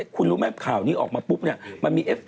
คุณรู้ไหมว่าข่าวนี้ออกมาปุ๊บเนี่ย